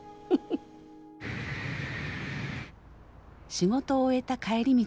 仕事を終えた帰り道